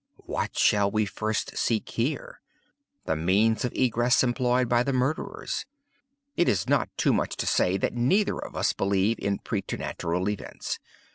What shall we first seek here? The means of egress employed by the murderers. It is not too much to say that neither of us believe in præternatural events.